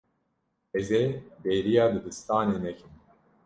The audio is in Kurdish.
Ez ê bêriya dibistanê nekim.